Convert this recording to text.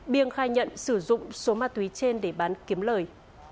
biên khai nhận sử dụng số ma túy trên để bán kiếm lời